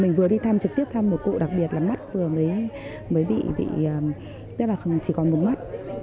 mình vừa đi thăm trực tiếp thăm một cụ đặc biệt là mắt vừa mới bị tức là chỉ còn một mắt